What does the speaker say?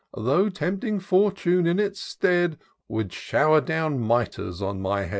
Though tempting Fortune, in its stead. Would shower down mitres on my head